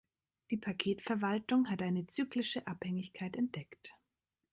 Die Paketverwaltung hat eine zyklische Abhängigkeit entdeckt.